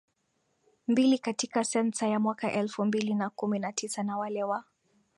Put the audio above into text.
mbili katika sensa ya mwaka elfu mbili na kumi na tisa na wale wa